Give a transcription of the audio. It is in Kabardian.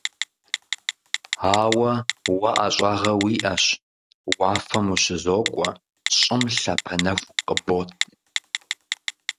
Ауэ уэ ӏэщӏагъэ уиӏэщ: уафэм ущызокӏуэ, щӏым лъапэ нэху къыбот.